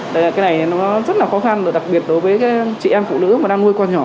cái này nó rất là khó khăn đặc biệt đối với chị em phụ nữ mà đang nuôi con nhỏ